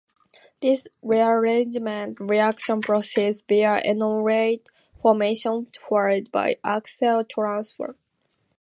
This rearrangement reaction proceeds via enolate formation followed by acyl transfer.